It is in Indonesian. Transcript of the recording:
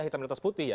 hitam litas putih ya